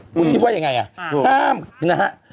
คุณคิดว่าอย่างไรอ่ะห้ามนะครับ